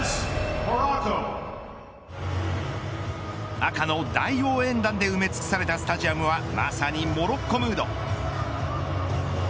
赤の大応援団で埋め尽くされたスタジアムはまさにモロッコムード。